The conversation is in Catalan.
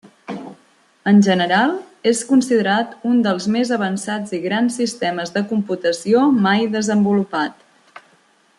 En general, és considerat un dels més avançats i grans sistemes de computació mai desenvolupat.